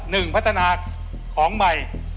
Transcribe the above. หนึ่งพัฒนาของใหม่